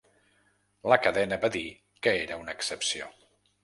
La cadena va dir que era una excepció.